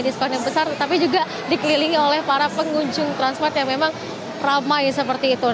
diskon yang besar tetapi juga dikelilingi oleh para pengunjung transmart yang memang ramai seperti itu